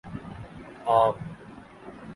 عام